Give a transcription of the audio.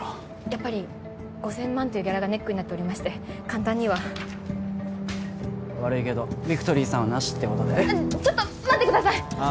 やっぱり５０００万というギャラがネックになっておりまして簡単には悪いけどビクトリーさんはなしってことでちょっと待ってくださいああ